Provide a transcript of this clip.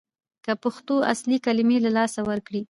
که پښتو اصلي کلمې له لاسه ورکړي